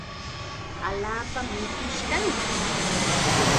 Allaapam mikush kanki.